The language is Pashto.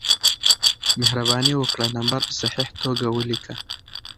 مهربانې وکړه نمبر په صحیح توګه ولېکه